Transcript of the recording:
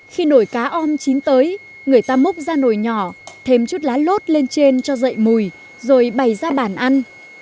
khi nổi cá ôm chín tới người ta múc ra nồi nhỏ thêm chút lá lốt lên trên cho dậy mùi rồi bày ra bàn ăn